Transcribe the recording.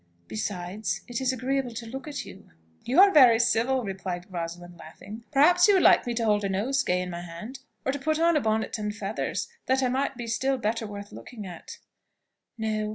Besides, it is agreeable to look at you." "You are very civil," replied Rosalind, laughing. "Perhaps you would like me to hold a nosegay in my hand, or to put on a bonnet and feathers, that I might be still better worth looking at." "No.